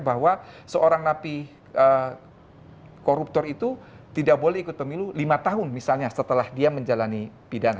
bahwa seorang napi koruptor itu tidak boleh ikut pemilu lima tahun misalnya setelah dia menjalani pidana